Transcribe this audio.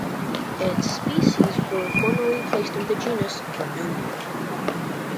Its species were formerly placed in the genus "Vernonia".